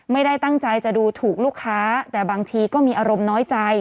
ไม่ได้ตั้งใจจะดูถูกลูกค้าแต่บางทีก็มีอารมณ์น้อยใจ